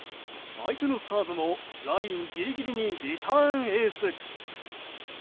相手のサーブもラインギリギリにリターンエース。